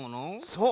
そう。